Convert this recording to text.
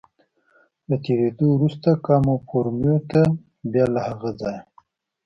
له تېرېدو وروسته کاموفورمیو ته، بیا له هغه ځایه.